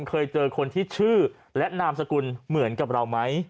เคยเจอคนที่ชื่อและนามสกุลเหมือนกับเราไหม